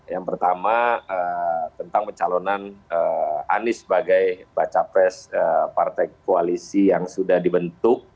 yang pertama tentang pencalonan anies sebagai baca pres partai koalisi yang sudah dibentuk